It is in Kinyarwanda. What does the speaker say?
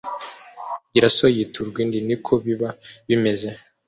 Gira so yiturwa indi niko biba bimeze